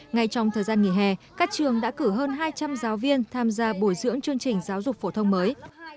ngay trong thời gian nghỉ hè các trường đã cử hơn hai trăm linh giáo viên tham gia bồi dưỡng chương trình giáo dục phổ thông mới